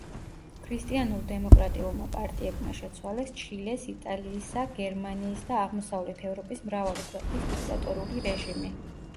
ქრისტიანულ დემოკრატიულმა პარტიებმა შეცვალეს ჩილეს, იტალიისა, გერმანიის და აღმოსავლეთ ევროპის მრავალი ქვეყნის დიქტატორული რეჟიმი.